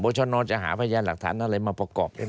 โบชนจะหาพยานหลักฐานอะไรมาประกอบได้ไหม